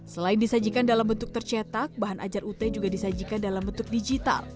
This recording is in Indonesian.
selain disajikan dalam bentuk tercetak bahan ajar ut juga disajikan dalam bentuk digital